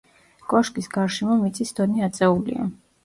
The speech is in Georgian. კოშკის გარშემო მიწის დონე აწეულია.